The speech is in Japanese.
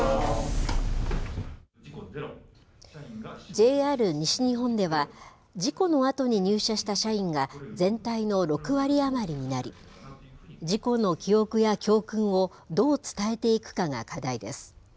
ＪＲ西日本では、事故のあとに入社した社員が全体の６割余りになり、事故の記憶や教訓をどう伝えていくかが課題です。